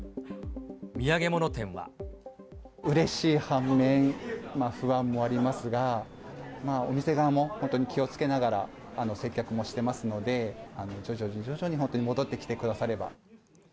うれしい半面、不安もありますが、お店側も本当に気をつけながら、接客もしてますので、徐々に徐々に本当に戻ってきてくだされば。